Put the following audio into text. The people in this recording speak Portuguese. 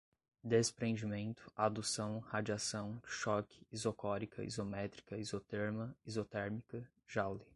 desprendimento, adução, radiação, choque, isocórica, isométrica, isoterma, isotérmica, joule